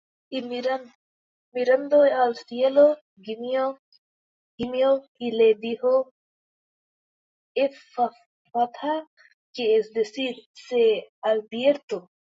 Y mirando al cielo, gimió, y le dijo: Ephphatha: que es decir: Sé abierto.